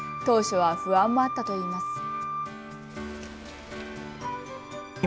当初は不安もあったといいます。